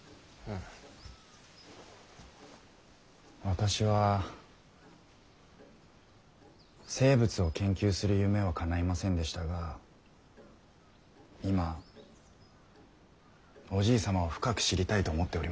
私は生物を研究する夢はかないませんでしたが今おじい様を深く知りたいと思っております。